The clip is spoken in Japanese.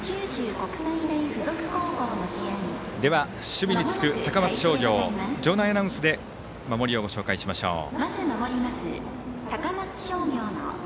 守備につく高松商業場内アナウンスで守りをご紹介しましょう。